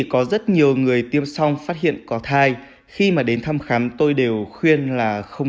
có rất nhiều người tiêm song phát hiện có thai khi mà đến thăm khám tôi đều khuyên là không